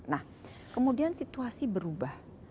nah kemudian situasi berubah